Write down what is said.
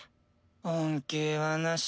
恩恵はなし。